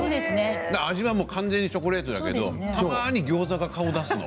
味は完全にチョコレートだけどたまにギョーザが顔を出すの。